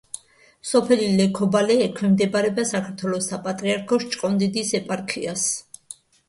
სოფელი ლექობალე ექვემდებარება საქართველოს საპატრიარქოს ჭყონდიდის ეპარქიას.